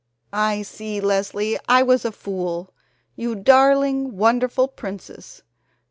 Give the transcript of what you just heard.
"I see, Leslie! I was a fool. You darling, wonderful princess.